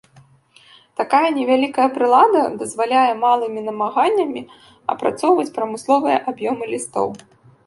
Такая невялікая прылада дазваляе малымі намаганнямі апрацоўваць прамысловыя аб'ёмы лістоў.